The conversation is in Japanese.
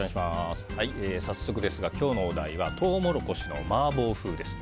早速ですが、今日のお題はトウモロコシの麻婆風です。